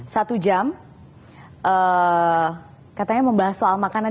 satu jam katanya membahas soal makanan